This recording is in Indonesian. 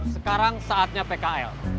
sekarang saatnya pkl